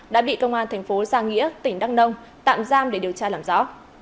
đã bị công an thành phố giang nghĩa tỉnh đăng nông tạm giam để điều tra làm rõ